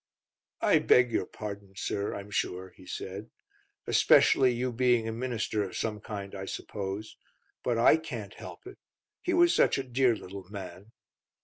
"I beg your pardon, sir, I'm sure," he said, "especially you being a minister of some kind, I suppose; but I can't help it, he was such a dear little man."